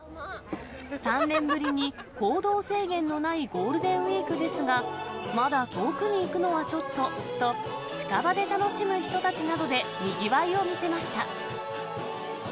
３年ぶりに行動制限のないゴールデンウィークですが、まだ遠くに行くのはちょっとと、近場で楽しむ人たちなどでにぎわいを見せました。